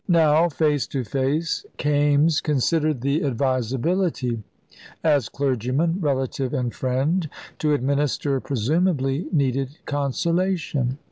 Now, face to face, Kaimes considered the advisability, as clergyman, relative, and friend, to administer presumably needed consolation.